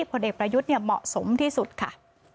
ผลเอกประยุทธ์เหมาะสมที่สุดค่ะ